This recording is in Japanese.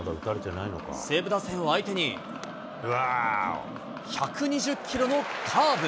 西武打線を相手に、１２０キロのカーブ。